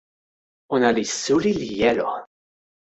ona li suli li jelo